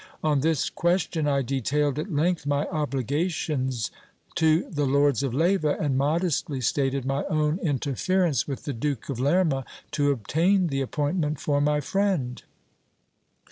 On this question, I detailed at length my obligations to the Lords of Leyva, and modestly stated my own interference with the Duke of Lerma, to obtain the appointment for my friend.